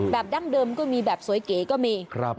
ดั้งเดิมก็มีแบบสวยเก๋ก็มี